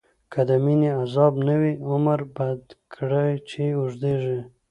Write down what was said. که د مینی عذاب نه وی، عمر بد کړی چی اوږدیږی